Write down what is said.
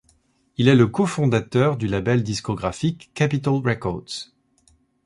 Il est le co-fondateur du label discographique Capitol Records.